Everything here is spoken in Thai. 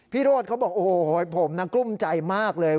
พีราดเขาบอกโอ้โฮผมกลุ้มใจมากเลย